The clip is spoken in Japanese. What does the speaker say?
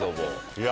いや。